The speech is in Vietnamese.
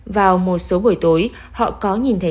vào một số buổi tối họ có nhìn thấy